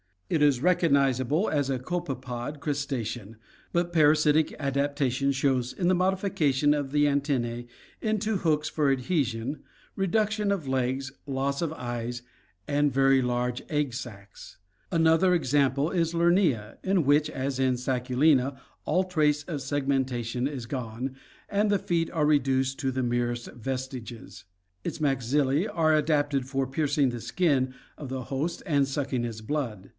It is recognizable as a copepod crustacean, but parasitic adaptation shows in the modification of the antenna? into hooks for adhesion, PARASITISM AND DEGENERACY 27S B reduction of legs, loss of eyes, and very large egg sacs. Another example is Lerttaa (Fig. 45, D), in which, as in Sacculina, all trace of segmentation is gone and the feet are reduced to the merest vestiges. Its maxilla; are adapted for piercing the skin of the host and suck ing its blood.